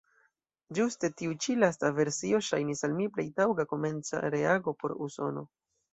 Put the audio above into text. Ĝuste tiu ĉi lasta versio ŝajnis al mi plej taŭga komenca reago por Usono.